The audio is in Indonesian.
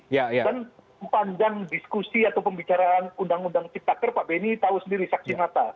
dan mempandang diskusi atau pembicaraan undang undang ciptaker pak benny tahu sendiri saksi mata